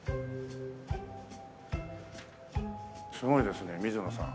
すごいですねミズノさん。